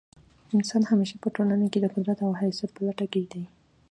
انسان همېشه په ټولنه کښي د قدرت او حیثیت په لټه کښي دئ.